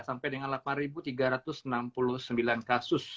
sampai dengan delapan tiga ratus enam puluh sembilan kasus